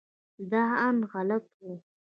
دا اند غلط و.